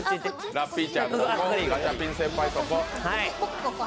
ラッピーちゃん、ガチャピン先輩と。